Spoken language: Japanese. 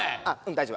大丈夫。